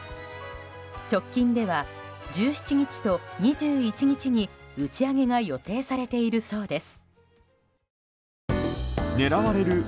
直近では１７日と２１日に打ち上げが予定されているそうです。